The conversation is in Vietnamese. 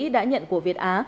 đã nhận của việt á